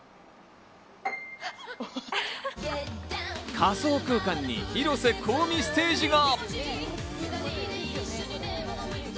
仮想空間に広瀬香美ステージが！